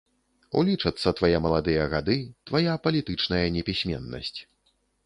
Улічацца твае маладыя гады, твая палітычная непісьменнасць.